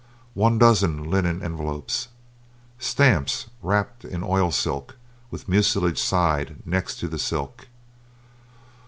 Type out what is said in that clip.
One dozen linen envelopes. Stamps, wrapped in oil silk with mucilage side next to the silk.